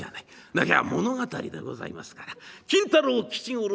だけど物語でございますから金太郎吉五郎